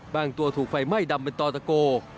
ตัวถูกไฟไหม้ดำเป็นต่อตะโก